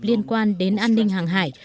liên quan đến an ninh hàng hải